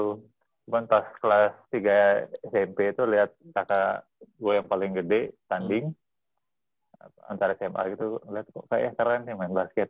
cuman pas kelas tiga smp itu lihat kakak gue yang paling gede tanding antara sma gitu lihat kok saya keren sih main basket